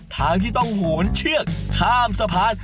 ทางที่ต้องโหนเชือกข้ามสะพาน